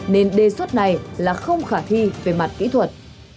nên đề xuất này là không khả thi về mặt kỹ thuật